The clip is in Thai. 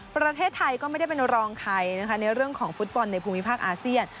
ประเทศไทยก็ไม่ได้เป็นรองใครนะคะในเรื่องของฟุตบอลในภูมิภาคอาเซียน